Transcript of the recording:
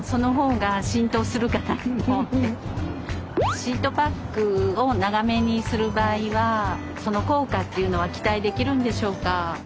シートパックを長めにする場合はその効果というのは期待できるんでしょうか？